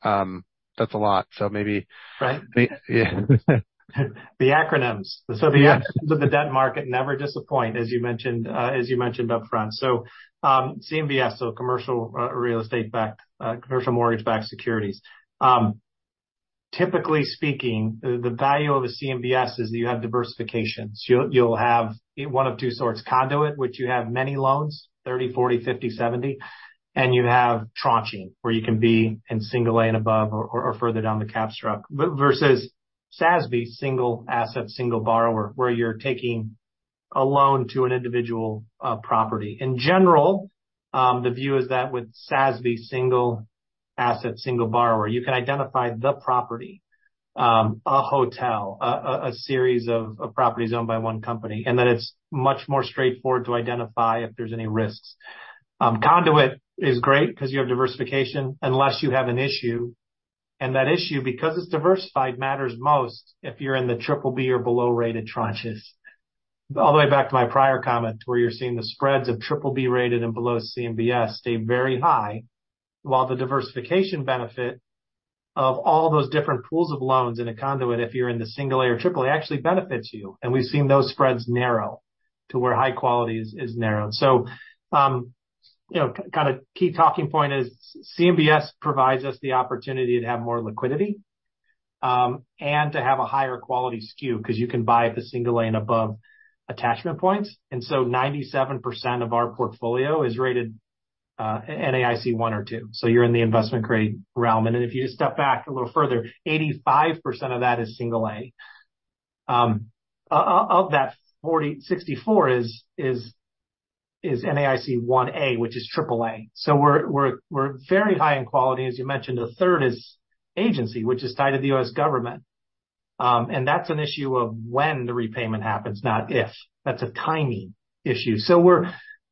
that's a lot. Maybe. Right. Yeah. The acronyms. Yes. The acronyms of the debt market never disappoint, as you mentioned upfront. CMBS, commercial mortgage-backed securities. Typically speaking, the value of a CMBS is that you have diversification. You'll have one of two sorts, conduit, which you have many loans, 30, 40, 50, 70, and you have tranching, where you can be in single A and above or further down the cap struct. Versus SASB, single asset, single borrower, where you're taking a loan to an individual property. In general, the view is that with SASB, single asset, single borrower, you can identify the property, a hotel, a series of properties owned by one company, and that it's much more straightforward to identify if there's any risks. Conduit is great because you have diversification unless you have an issue, and that issue, because it's diversified, matters most if you're in the triple B or below-rated tranches. All the way back to my prior comment, where you're seeing the spreads of triple B rated and below CMBS stay very high, while the diversification benefit of all those different pools of loans in a conduit, if you're in the single A or triple A, actually benefits you. We've seen those spreads narrow to where high quality is narrowed. Kind of key talking point is CMBS provides us the opportunity to have more liquidity, and to have a higher quality skew, because you can buy at the single A and above attachment points. 97% of our portfolio is rated NAIC 1 or 2. You're in the investment-grade realm. If you just step back a little further, 85% of that is single A. Of that, 64 is NAIC1, which is triple A. We're very high in quality. As you mentioned, a third is agency, which is tied to the U.S. government. That's an issue of when the repayment happens, not if. That's a timing issue.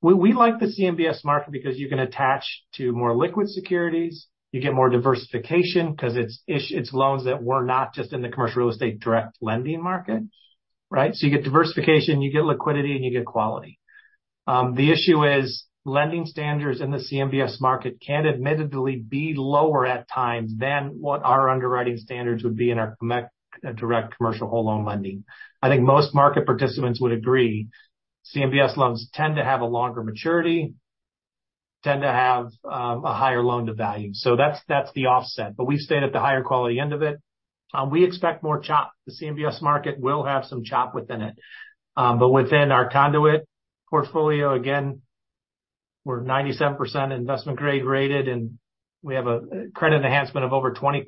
We like the CMBS market because you can attach to more liquid securities, you get more diversification because it's loans that were not just in the commercial real estate direct lending market, right? You get diversification, you get liquidity, and you get quality. The issue is lending standards in the CMBS market can admittedly be lower at times than what our underwriting standards would be in our direct commercial whole loan lending. I think most market participants would agree CMBS loans tend to have a longer maturity, tend to have a higher loan-to-value. That's the offset. We've stayed at the higher quality end of it. We expect more chop. The CMBS market will have some chop within it. Within our conduit portfolio, again, we're 97% investment-grade rated, and we have a credit enhancement of over 20%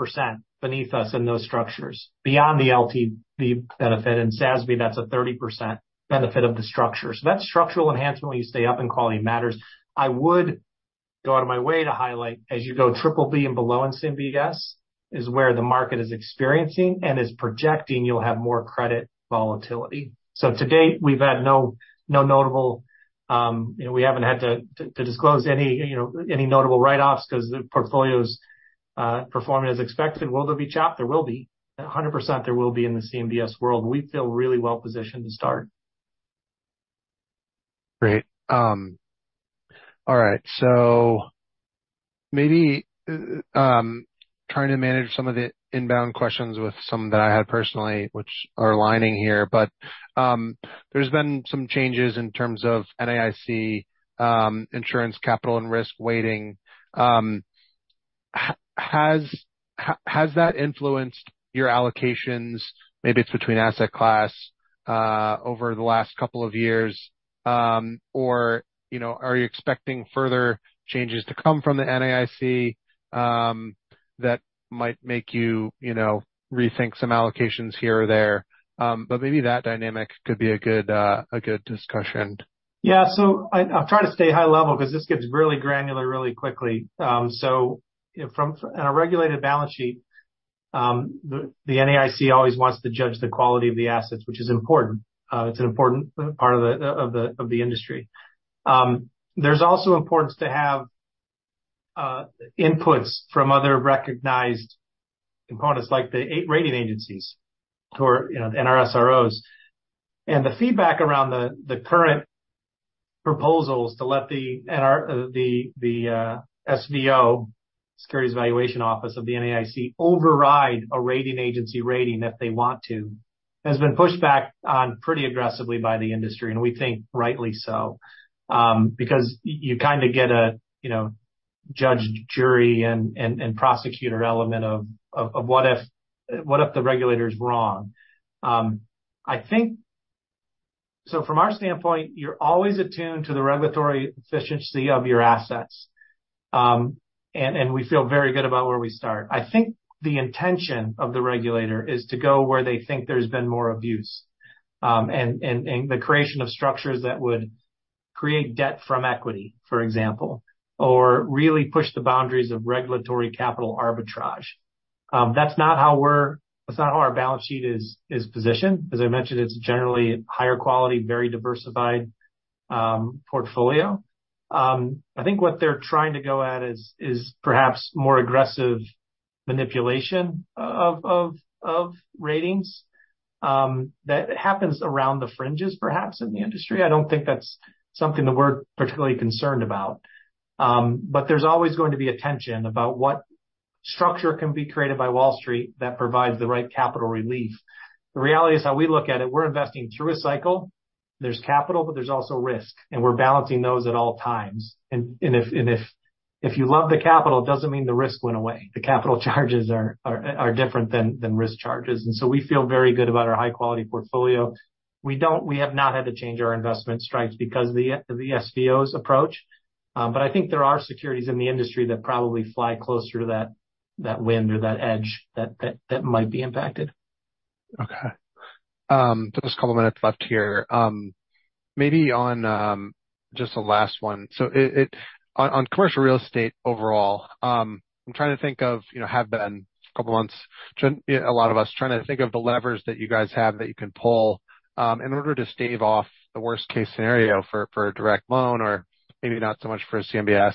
beneath us in those structures, beyond the LTV benefit. In SASB, that's a 30% benefit of the structure. That structural enhancement, when you stay up in quality, matters. I would go out of my way to highlight, as you go triple B and below in CMBS is where the market is experiencing and is projecting you'll have more credit volatility. To date, we haven't had to disclose any notable write-offs because the portfolio's performing as expected. Will there be chop? There will be. 100% there will be in the CMBS world. We feel really well-positioned to start. Maybe trying to manage some of the inbound questions with some that I had personally, which are aligning here, there's been some changes in terms of NAIC insurance capital and risk weighting. Has that influenced your allocations, maybe it's between asset class, over the last couple of years? Or are you expecting further changes to come from the NAIC that might make you rethink some allocations here or there? Maybe that dynamic could be a good discussion. I'll try to stay high level because this gets really granular really quickly. In a regulated balance sheet, the NAIC always wants to judge the quality of the assets, which is important. It's an important part of the industry. There's also importance to have inputs from other recognized components, like the rating agencies who are the NRSROs. The feedback around the current proposals to let the SVO, Securities Valuation Office of the NAIC, override a rating agency rating if they want to, has been pushed back on pretty aggressively by the industry, and we think rightly so. Because you kind of get a judge, jury, and prosecutor element of what if the regulator's wrong? From our standpoint, you're always attuned to the regulatory efficiency of your assets, and we feel very good about where we start. I think the intention of the regulator is to go where they think there's been more abuse, and the creation of structures that would create debt from equity, for example, or really push the boundaries of regulatory capital arbitrage. That's not how our balance sheet is positioned. As I mentioned, it's generally higher quality, very diversified portfolio. I think what they're trying to go at is perhaps more aggressive manipulation of ratings that happens around the fringes, perhaps in the industry. I don't think that's something that we're particularly concerned about. There's always going to be a tension about what structure can be created by Wall Street that provides the right capital relief. The reality is, how we look at it, we're investing through a cycle. There's capital, but there's also risk, and we're balancing those at all times. If you love the capital, it doesn't mean the risk went away. The capital charges are different than risk charges. We feel very good about our high-quality portfolio. We have not had to change our investment strikes because of the SVO's approach. I think there are securities in the industry that probably fly closer to that wind or that edge that might be impacted. Okay. Just a couple of minutes left here. Maybe on just the last one. On commercial real estate overall, I'm trying to think of have been a couple of months, a lot of us trying to think of the levers that you guys have that you can pull in order to stave off the worst-case scenario for a direct loan or maybe not so much for a CMBS.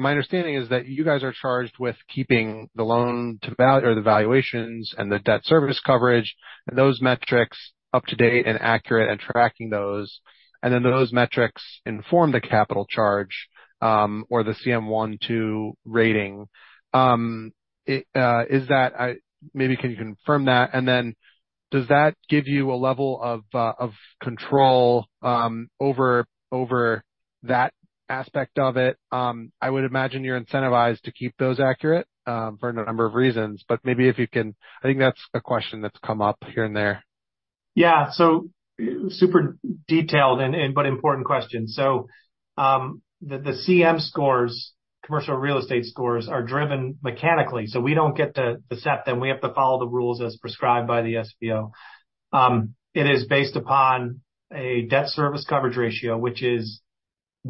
My understanding is that you guys are charged with keeping the loan-to-value or the valuations and the debt service coverage and those metrics up to date and accurate and tracking those, and then those metrics inform the capital charge, or the CM1, 2 rating. Can you confirm that? Does that give you a level of control over that aspect of it? I would imagine you're incentivized to keep those accurate for a number of reasons. Yeah. Super detailed but important question. The CM scores, commercial real estate scores, are driven mechanically. We don't get to set them. We have to follow the rules as prescribed by the SVO. It is based upon a debt service coverage ratio, which is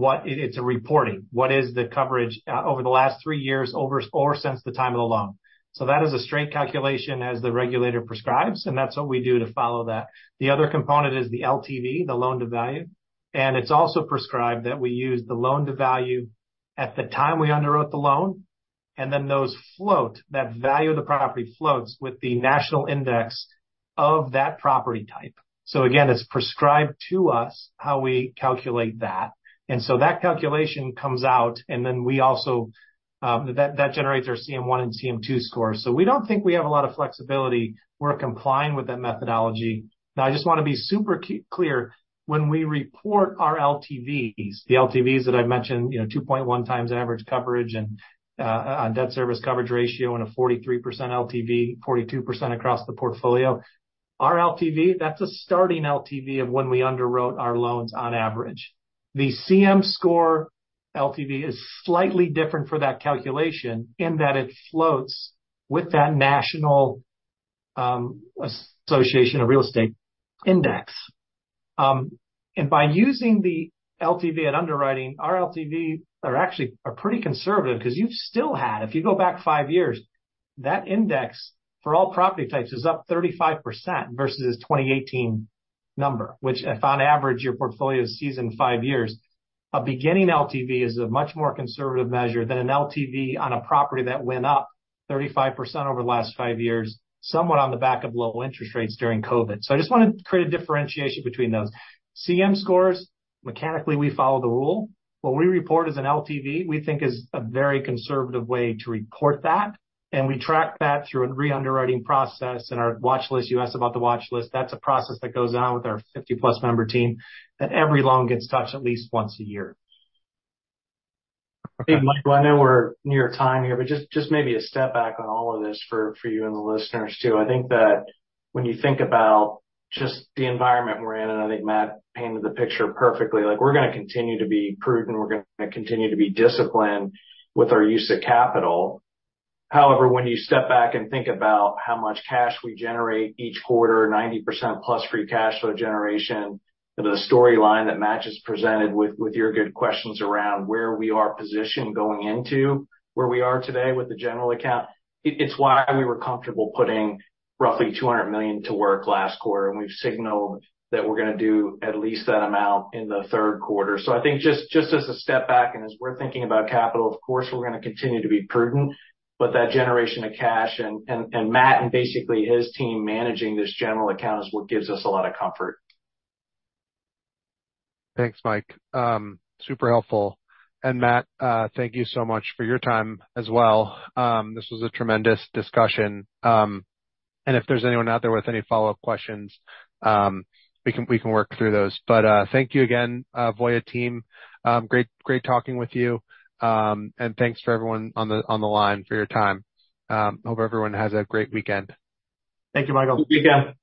a reporting. What is the coverage over the last three years or since the time of the loan? That is a straight calculation as the regulator prescribes, and that's what we do to follow that. The other component is the LTV, the loan-to-value, and it's also prescribed that we use the loan-to-value at the time we underwrote the loan, and then that value of the property floats with the national index of that property type. Again, it's prescribed to us how we calculate that. That calculation comes out and then that generates our CM1 and CM2 scores. We don't think we have a lot of flexibility. We're complying with that methodology. I just want to be super clear. When we report our LTVs, the LTVs that I've mentioned, 2.1 times average coverage and on debt service coverage ratio and a 43% LTV, 42% across the portfolio. Our LTV, that's a starting LTV of when we underwrote our loans on average. The CM score LTV is slightly different for that calculation in that it floats with that national association of real estate index. By using the LTV at underwriting, our LTV are actually pretty conservative because you've still had, if you go back 5 years, that index for all property types is up 35% versus 2018 number, which if on average, your portfolio is seasoned 5 years, a beginning LTV is a much more conservative measure than an LTV on a property that went up 35% over the last 5 years, somewhat on the back of low interest rates during COVID. I just want to create a differentiation between those. CM scores, mechanically, we follow the rule. What we report as an LTV, we think is a very conservative way to report that, and we track that through a re-underwriting process and our watch list. You asked about the watch list. That's a process that goes on with our 50-plus member team that every loan gets touched at least once a year. Okay. Mike, I know we're near time here, but just maybe a step back on all of this for you and the listeners too. I think that when you think about just the environment we're in, and I think Matt painted the picture perfectly, we're going to continue to be prudent, we're going to continue to be disciplined with our use of capital. However, when you step back and think about how much cash we generate each quarter, 90% plus free cash flow generation, the storyline that Matt just presented with your good questions around where we are positioned going into where we are today with the general account, it's why we were comfortable putting roughly $200 million to work last quarter, and we've signaled that we're going to do at least that amount in the third quarter. I think just as a step back and as we're thinking about capital, of course, we're going to continue to be prudent. That generation of cash and Matt and basically his team managing this general account is what gives us a lot of comfort. Thanks, Mike. Super helpful. Matt, thank you so much for your time as well. This was a tremendous discussion. If there's anyone out there with any follow-up questions, we can work through those. Thank you again, Voya team. Great talking with you. Thanks for everyone on the line for your time. Hope everyone has a great weekend. Thank you, Michael. Have a good weekend.